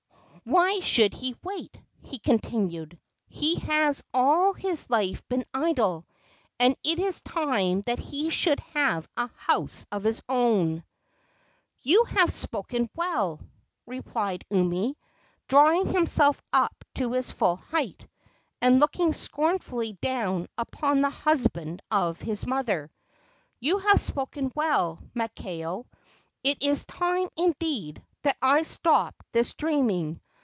"Why should he wait?" he continued; "he has all his life been idle, and it is time that he should have a house of his own." "You have spoken well!" replied Umi, drawing himself up to his full height, and looking scornfully down upon the husband of his mother "you have spoken well, Maakao! It is time, indeed, that I stopped this dreaming!